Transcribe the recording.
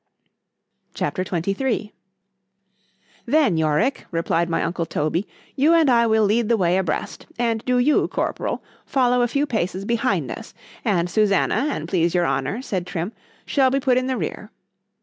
C H A P. XXIII ——Then, Yorick, replied my uncle Toby, you and I will lead the way abreast,——and do you, corporal, follow a few paces behind us.——And Susannah, an' please your honour, said Trim, shall be put in the rear.